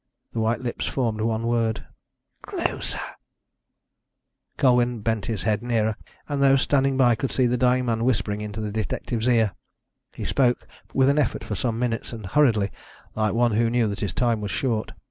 The white lips formed one word: "Closer." Colwyn bent his head nearer, and those standing by could see the dying man whispering into the detective's ear. He spoke with an effort for some minutes, and hurriedly, like one who knew that his time was short.